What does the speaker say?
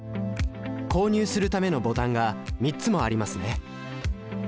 購入するためのボタンが３つもありますね